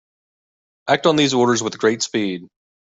Act on these orders with great speed.